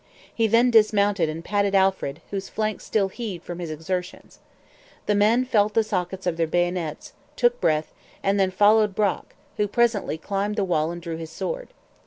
He then dismounted and patted Alfred, whose flanks still heaved from his exertions. The men felt the sockets of their bayonets; took breath; and then followed Brock, who presently climbed the wall and drew his sword.